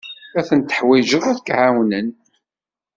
Ad ten-teḥwijeḍ ad k-ɛawnen.